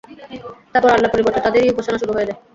তারপর আল্লাহর পরিবর্তে তাদেরই উপাসনা শুরু হয়ে যায়।